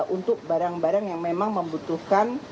untuk barang barang yang memang membutuhkan